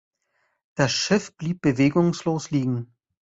Das Schiff blieb bewegungslos liegen.